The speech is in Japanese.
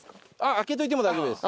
開けておいても大丈夫です。